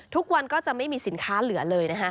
ทุกวันก็จะไม่มีสินค้าเหลือเลยนะฮะ